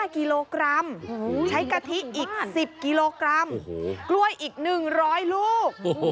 ๕กิโลกรัมใช้กะทิอีก๑๐กิโลกรัมกล้วยอีก๑๐๐ลูก